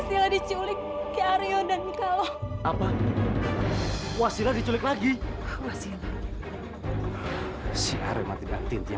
sampai jumpa di video selanjutnya